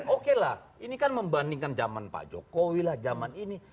oke lah ini kan membandingkan zaman pak jokowi lah zaman ini